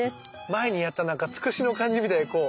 前にやったなんかツクシの感じみたいにこう。